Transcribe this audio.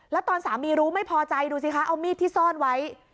แล้วตอนสามีรู้ไม่พอใจดูสิคะเอามีดที่ซ่อนไว้